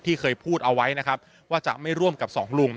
ที่เคยพูดเอาไว้ว่าจะไม่ร่วมกับสองลุง